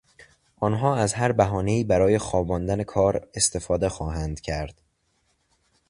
آنها از هر بهانهای برای خواباندن کار استفاده خواهند کرد.